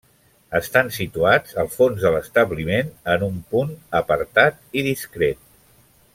Estan situats al fons de l'establiment en un punt apartat i discret.